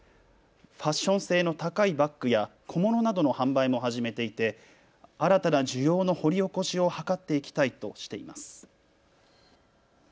ファッション性の高いバッグや小物などの販売も始めていて新たな需要の掘り起こしを図っていきたいとしています。